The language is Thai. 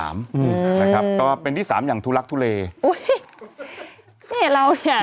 มันเป็นที่๓อย่างทุลักษณ์ทุเลเหี้ยเราเนี่ย